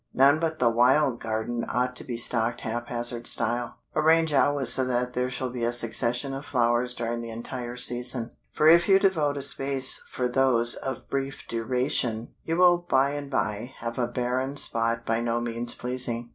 None but the "wild garden" ought to be stocked hap hazard style. Arrange always so that there shall be a succession of flowers during the entire season, for if you devote a space for those of brief duration, you will by and by have a barren spot by no means pleasing.